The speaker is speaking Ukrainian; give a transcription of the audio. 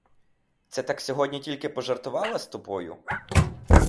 Це так сьогодні тільки пожартувала з тобою.